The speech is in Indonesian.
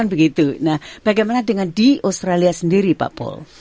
bagaimana dengan di australia sendiri pak paul